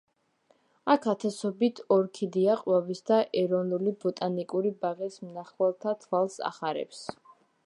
აქ ათასობით ორქიდეა ყვავის და ეროვნული ბოტანიკური ბაღის მნახველთა თვალს ახარებს.